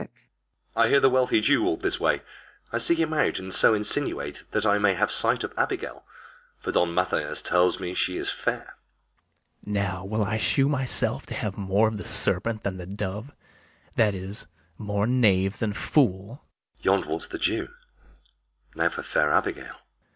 I hear the wealthy Jew walked this way: I'll seek him out, and so insinuate, That I may have a sight of Abigail, For Don Mathias tells me she is fair. BARABAS. Now will I shew myself to have more of the serpent than the dove; that is, more knave than fool. [Aside.] LODOWICK. Yond' walks the Jew: now for fair Abigail.